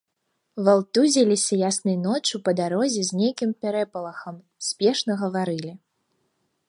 Валтузіліся яснаю ноччу па дарозе з нейкім пярэпалахам, спешна гаварылі.